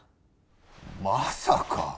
まさか。